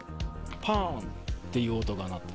ぱーんっていう音が鳴った。